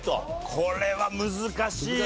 これは難しいよ。